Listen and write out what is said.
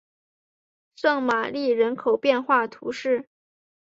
圣玛丽人口变化图示